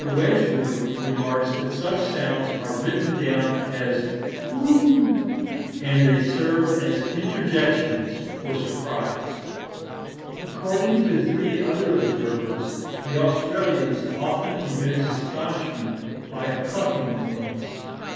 Wedgwood remarks that such sounds are written down as whew, and they serve as interjections for surprise. According to three other observers, the Australians often evince astonishment by a clucking noise.